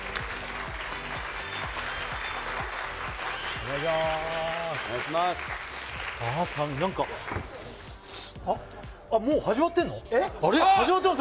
お願いします。